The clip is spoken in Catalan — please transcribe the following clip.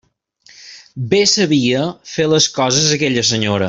Bé sabia fer les coses aquella senyora.